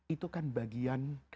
itu kan bagian